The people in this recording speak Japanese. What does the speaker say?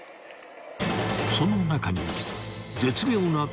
［その中に］